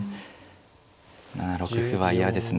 ７六歩は嫌ですね。